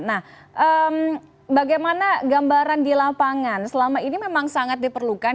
nah bagaimana gambaran di lapangan selama ini memang sangat diperlukan